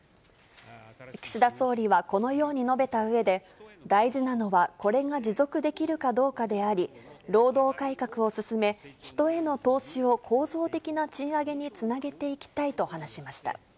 岸田総理はこのように述べたうえで、大事なのは、これが持続できるかどうかであり、労働改革を進め、人への投資を構造的な賃上げにつなげていきたいと話しました。